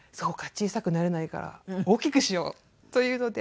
小さくなれないから大きくしようというので。